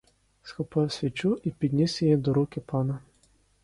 Схопив свічу і підніс її до руки пана.